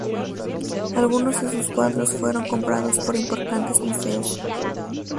Algunos de sus cuadros fueron comprados por importantes museos.